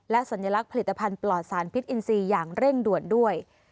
สัญลักษณ์ผลิตภัณฑ์ปลอดสารพิษอินซีอย่างเร่งด่วนด้วย